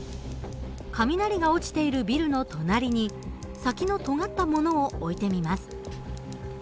雷が落ちているビルの隣に先のとがったものを置いてみます。